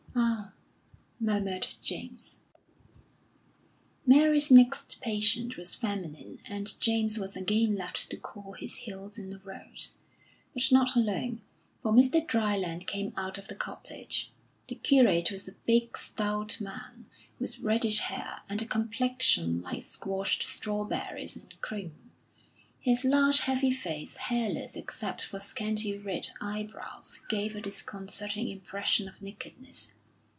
"Ah!" murmured James. Mary's next patient was feminine, and James was again left to cool his heels in the road; but not alone, for Mr. Dryland came out of the cottage. The curate was a big, stout man, with reddish hair, and a complexion like squashed strawberries and cream; his large, heavy face, hairless except for scanty red eyebrows, gave a disconcerting impression of nakedness.